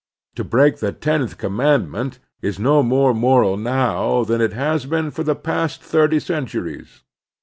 To break the Tenth Com mandment is no more moral now than it has been for the past thirty centuries.